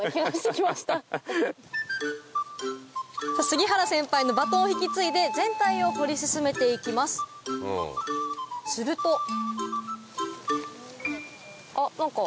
杉原先輩のバトンを引き継いで全体を掘り進めて行きますするとあっ何か。